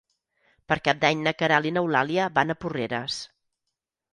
Per Cap d'Any na Queralt i n'Eulàlia van a Porreres.